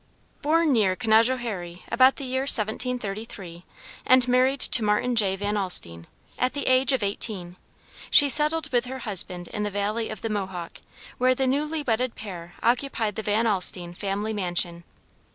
Born near Canajoharie, about the year 1733, and married to Martin J. Van Alstine, at the age of eighteen, she settled with her husband in the valley of the Mohawk, where the newly wedded pair occupied the Van Alstine family mansion.